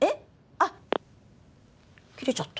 あっ切れちゃった。